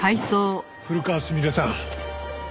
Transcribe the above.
古川すみれさん。